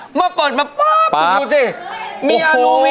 เมื่อเปิดมาปุ๊บดูซิ